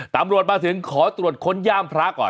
ตำรวจมาถึงขอตรวจค้นย่ามพระก่อน